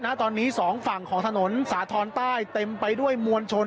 ณตอนนี้สองฝั่งของถนนสาธรณ์ใต้เต็มไปด้วยมวลชน